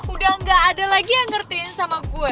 udah gak ada lagi yang ngertiin sama gue